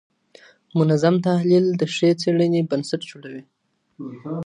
منظم تحلیل د ښې څېړني بنسټ جوړوي.